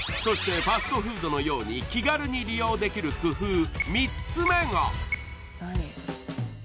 そしてファストフードのように気軽に利用できる工夫